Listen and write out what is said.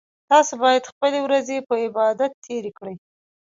تاسو باید خپلې ورځې په عبادت تیرې کړئ